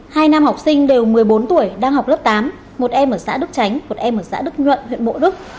hai nam học sinh đều một mươi bốn tuổi đang học lớp tám một em ở xã đức tránh một em ở xã đức nhuận huyện bộ đức